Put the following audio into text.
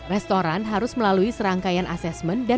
restoran harus melalui serangkaian asesmen dan